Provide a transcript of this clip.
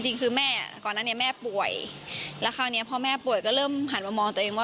จริงคือแม่ก่อนนั้นเนี่ยแม่ป่วยแล้วคราวนี้พอแม่ป่วยก็เริ่มหันมามองตัวเองว่า